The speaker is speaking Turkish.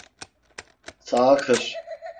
Sağa kır!